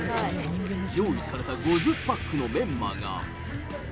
用意された５０パックのメンマが。